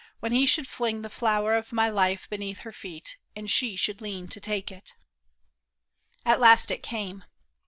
When he should fling the flower of my life Beneath her feet, and she should lean to take it. At last it came.